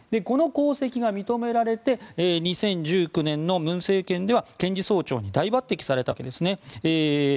この功績が認められて２０１９年の文政権では検事総長に大抜擢されたわけです。